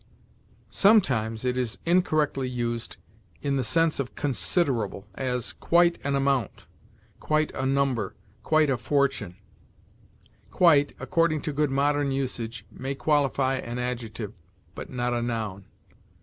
Sometimes it is incorrectly used in the sense of considerable; as, quite an amount, quite a number, quite a fortune. Quite, according to good modern usage, may qualify an adjective, but not a noun.